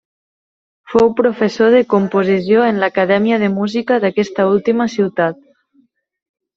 Fou professor de composició en l'Acadèmia de Música d'aquesta última ciutat.